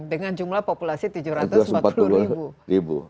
dengan jumlah populasi tujuh ratus empat puluh ribu